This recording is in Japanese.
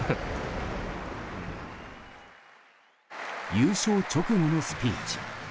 優勝直後のスピーチ。